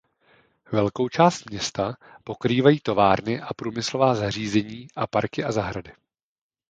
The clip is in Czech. Velkou část města pokrývají továrny a průmyslová zařízení a parky a zahrady.